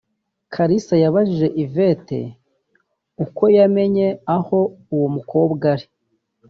Kalisa yabajije Yvette uko yamenye aho uwo mukobwa ari